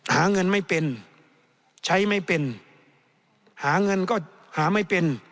หาเงินไม่เป็นใช้ไม่เป็นหาเงินก็หาไม่เป็น